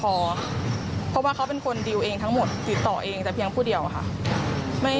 เพราะว่าเขาเป็นคนดีลเองทั้งหมดติดต่อเองแต่เพียงผู้เดียวค่ะ